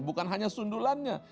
bukan hanya sundulannya